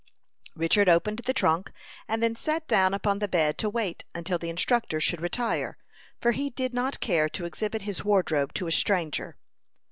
Richard opened the trunk, and then sat down upon the bed to wait until the instructor should retire, for he did not care to exhibit his wardrobe to a stranger.